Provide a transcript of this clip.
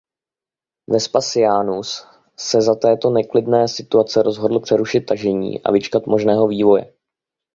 Vespasianus se za této neklidné situace rozhodl přerušit tažení a vyčkat možného vývoje.